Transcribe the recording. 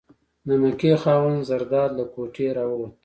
د مکۍ خاوند زرداد له کوټې راووت.